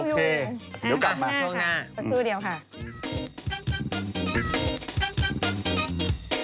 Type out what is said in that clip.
เดี๋ยวกลับมาสักครู่เดียวค่ะ